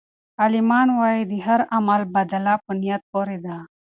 عالمان وایي چې د هر عمل بدله په نیت پورې ده.